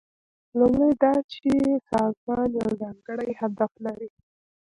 لومړی دا چې سازمان یو ځانګړی هدف لري.